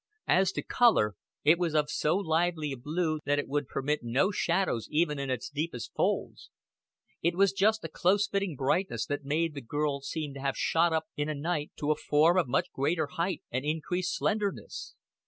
As to color, it was of so lively a blue that it would permit no shadows even in its deepest folds; it was just a close fitting brightness that made the girl seem to have shot up in a night to a form of much greater height and increased slenderness.